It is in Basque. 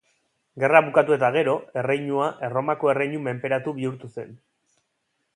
Gerra bukatu eta gero, erreinua Erromako erreinu menperatu bihurtu zen.